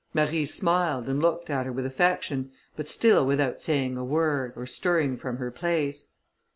Marie smiled, and looked at her with affection, but still without saying a word, or stirring from her place.